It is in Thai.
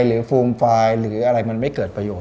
หรือฟูห์มฟ้ายหรืออะไรมันไม่เครื่อย